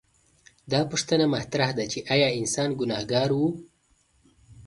دا پوښتنه مطرح ده چې ایا انسان ګنهګار و؟